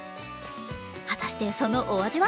果たして、そのお味は？